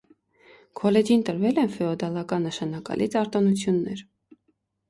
Քոլեջին տրվել են ֆեոդալական նշանակալից արտոնություններ։